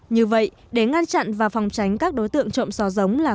như vậy để ngăn chặn và phòng tránh các đối tượng trộm sò giống là